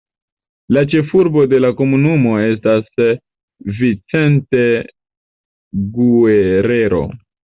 La ĉefurbo de la komunumo estas Vicente Guerrero.